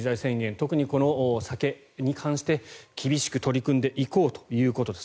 特に酒に関して厳しく取り組んでいこうということです。